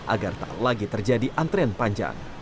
agar tak lagi terjadi antrean panjang